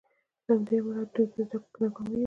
له همدې امله دوی په زدکړو کې ناکامیږي.